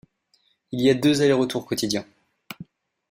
Il y a deux aller-retours quotidiens.